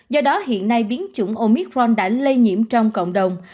do đó hiện nay biến chủng omitron đã lây nhiễm trong cộng đồng